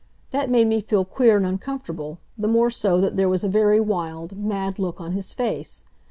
That made me feel queer and uncomfortable, the more so that there was a very wild, mad look on his face.